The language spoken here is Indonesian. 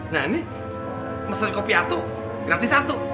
nah ini mesen kopi atuh gratis atuh